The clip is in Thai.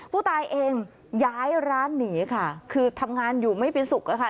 ผู้ตายเองย้ายร้านหนีค่ะคือทำงานอยู่ไม่เป็นสุขอะค่ะ